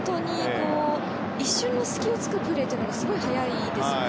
一瞬の隙を突くプレーがすごい速いですね。